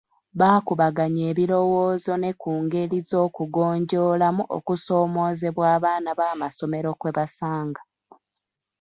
Baakubaganya ebirowoozo ne ku ngeri z'okugonjoolamu okusoomoozebwa abaana b'amasomero kwe basanga.